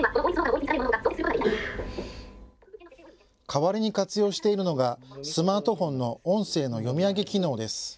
代わりに活用しているのがスマートフォンの音声の読み上げ機能です。